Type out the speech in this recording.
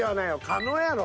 狩野やろ。